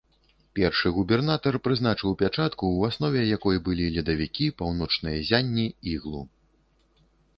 Першы губернатар прызначыў пячатку, у аснове якой былі ледавікі, паўночныя ззянні, іглу.